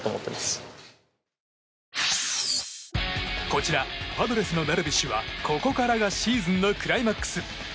こちら、パドレスのダルビッシュはここからがシーズンのクライマックス！